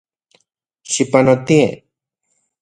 Xipanotie.